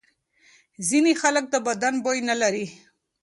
ځینې خلک د بدن بوی نه لري.